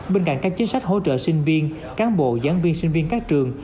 bên cạnh các chính sách hỗ trợ sinh viên cán bộ giảng viên sinh viên các trường